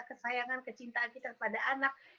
kesayangan kecintaan kita kepada anak